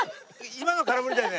今のは空振りだよね？